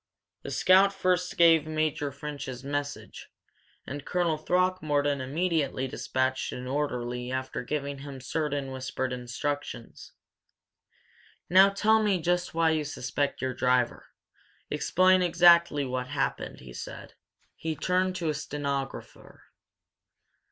The scout first gave Major French's message, and Colonel Throckmorton immediately dispatched an orderly after giving him certain whispered instructions. "Now tell me just why you suspect your driver. Explain exactly what happened," he said. He turned to a stenographer.